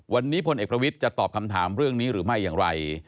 วันนี้พลเอกประวิทย์จะตอบคำถามเรื่องนี้หรือไม่อย่างไร